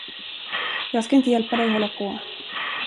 Jag ska inte hjälpa dig hålla på.